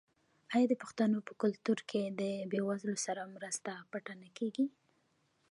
آیا د پښتنو په کلتور کې د بې وزلو سره مرسته پټه نه کیږي؟